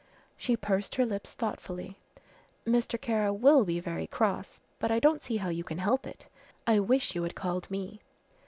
She pursed her lips thoughtfully. "Mr. Kara will be very cross, but I don't see how you can help it. I wish you had called me."